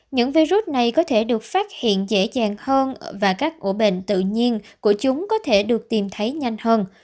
những virus này có thể được phát hiện dễ dàng hơn và các ổ bệnh tự nhiên của chúng có thể được tìm thấy nhanh hơn